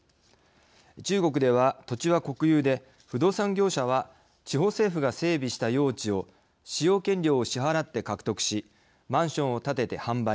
中国では土地は国有で不動産業者は地方政府が整備した用地を使用権料を支払って獲得しマンションを建てて販売。